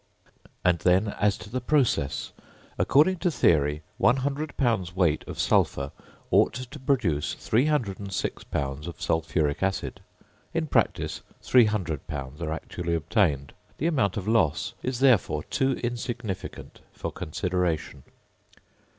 And then, as to the process: according to theory, 100 pounds weight of sulphur ought to produce 306 pounds of sulphuric acid; in practice 300 pounds are actually obtained; the amount of loss is therefore too insignificant for consideration.